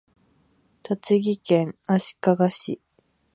栃木県足利市